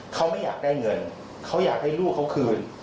เขาไม่อยากได้เงินเขาอยากให้ลูกเขาคืน